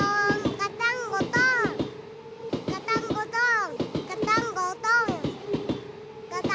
ガタンゴトーンガタンゴトーン。